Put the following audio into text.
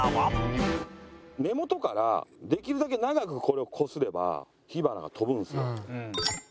根元からできるだけ長くこれをこすれば火花が飛ぶんですよ。